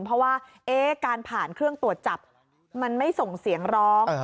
เพราะว่าการผ่านเครื่องตรวจจับมันไม่ส่งเสียงร้อง